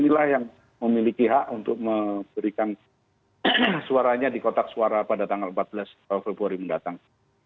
inilah yang memiliki hak untuk memberikan suaranya di kotak suara pada tanggal empat belas februari mendatang